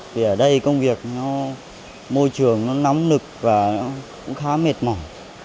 vì ở đây công việc môi trường nó nóng nực và cũng khá mệt mỏi